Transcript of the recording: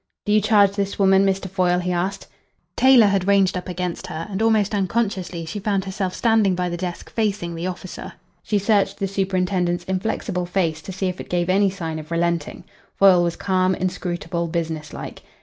"Do you charge this woman, Mr. Foyle?" he asked. Taylor had ranged up against her, and almost unconsciously she found herself standing by the desk facing the officer. She searched the superintendent's inflexible face to see if it gave any sign of relenting. Foyle was calm, inscrutable, business like.